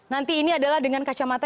nanti ini adalah dengan kacamata